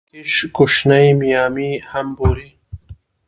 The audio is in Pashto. مراکش کوشنۍ میامي هم بولي.